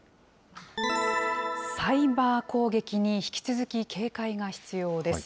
サイバー攻撃に引き続き警戒が必要です。